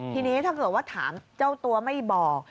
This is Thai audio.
ทีนี้ถ้าเกิดว่าถามเจ้าตัวไม่บอก